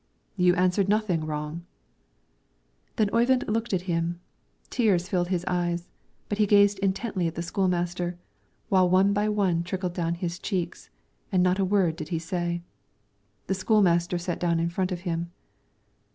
"You answered nothing wrong." Then Oyvind looked at him; tears filled his eyes, but he gazed intently at the school master, while one by one trickled down his cheeks, and not a word did he say. The school master sat down in front of him.